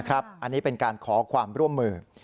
อันนี้เป็นการขอความร่วมมือ